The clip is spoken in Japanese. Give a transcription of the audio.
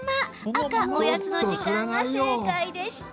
赤おやつの時間が正解でした。